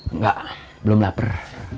engga belum lapar